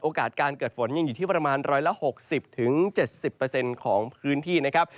การเกิดฝนยังอยู่ที่ประมาณ๑๖๐๗๐ของพื้นที่นะครับ